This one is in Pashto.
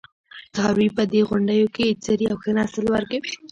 څاروي په دې غونډیو کې څري او ښه نسل ورکوي.